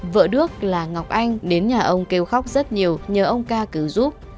vợ đước là ngọc anh đến nhà ông kêu khóc rất nhiều nhờ ông ca cứu giúp